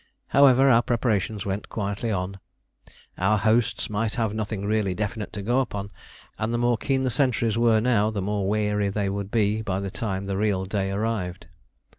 However, our preparations went quietly on; our "hosts" might have nothing really definite to go upon, and the more keen the sentries were now, the more weary they would be by the time the real day arrived.